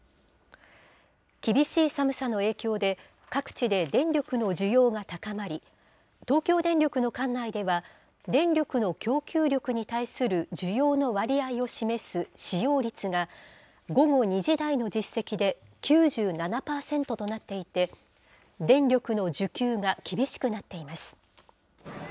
厳しい寒さの影響で、各地で電力の需要が高まり、東京電力の管内では、電力の供給力に対する需要の割合を示す使用率が、午後２時台の実績で９７％となっていて、電力の需給が厳しくなっています。